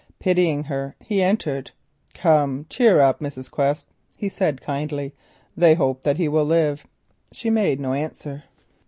Pitying her he entered. "Come, cheer up, Mrs. Quest," he said kindly, "they hope that he will live." She made no answer.